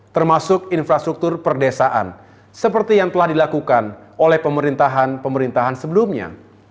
termasuk infrastruktur perdesaan seperti yang telah dilakukan oleh pemerintahan pemerintahan sebelumnya